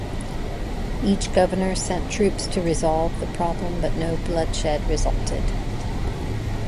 Each governor sent troops to resolve the problem but no bloodshed resulted.